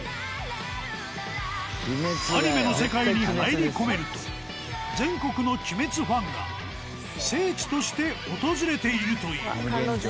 アニメの世界に入り込めると全国の『鬼滅』ファンが聖地として訪れているという。